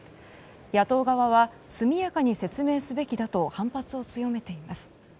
野党側は速やかに説明すべきだと反発を強めています。